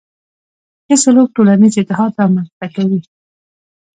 ښه سلوک ټولنیز اتحاد رامنځته کوي.